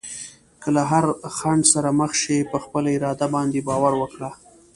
که له هر خنډ سره مخ شې، په خپل اراده باندې باور وکړه.